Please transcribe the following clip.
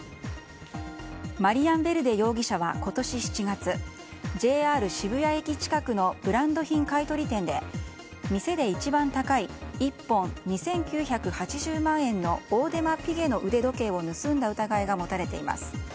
マリアン・ヴェルデ容疑者は今年７月ＪＲ渋谷駅近くのブランド品買い取り店で店で一番高い１本２９８０万円のオーデマピゲの腕時計を盗んだ疑いが持たれています。